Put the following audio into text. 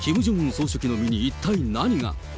総書記の身に一体何が。